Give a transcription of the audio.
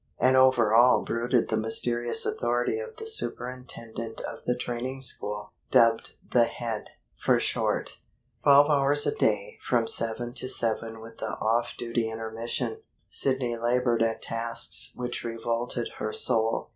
And over all brooded the mysterious authority of the superintendent of the training school, dubbed the Head, for short. Twelve hours a day, from seven to seven, with the off duty intermission, Sidney labored at tasks which revolted her soul.